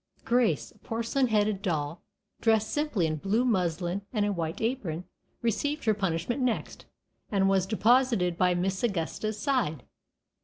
Grace, a porcelain headed doll, dressed simply in a blue muslin and a white apron, received her punishment next, and was deposited by Miss Augusta's side.